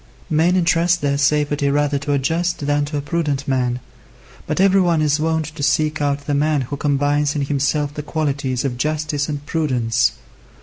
Men entrust their safety rather to a just than to a prudent man. But every one is wont to seek out the man who combines in himself the qualities of justice and prudence.